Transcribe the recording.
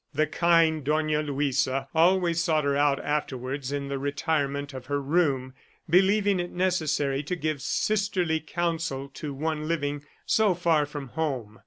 The kind Dona Luisa always sought her out afterwards in the retirement of her room, believing it necessary to give sisterly counsel to one living so far from home.